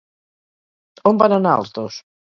On van anar els dos?